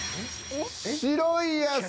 「白い野菜」。